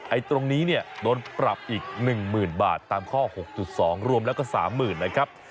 ตรงนี้เนี่ยโดนปรับอีก๑๐๐๐บาทตามข้อ๖๒รวมแล้วก็๓๐๐๐นะครับ